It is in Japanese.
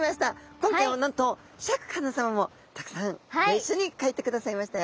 今回はなんとシャーク香音さまもたくさんご一緒に描いてくださいましたよ。